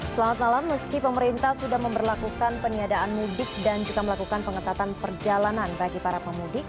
selamat malam meski pemerintah sudah memperlakukan peniadaan mudik dan juga melakukan pengetatan perjalanan bagi para pemudik